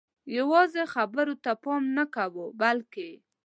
یوازې خبرو ته پام نه کوو بلکې